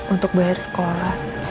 untuk bayar sekolah